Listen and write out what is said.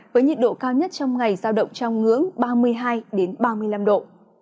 với nhiệt độ cao nhất trong ngày giao động trong ngưỡng ba mươi hai ba mươi năm độ